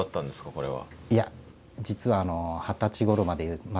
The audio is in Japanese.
これは。